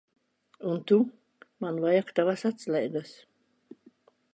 Un tu. Man vajag tavas atslēgas.